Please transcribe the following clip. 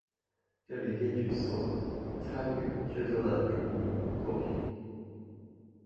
这里列举所参与制作的著名作品。